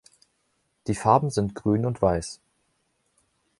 Die Farben sind Grün und Weiß.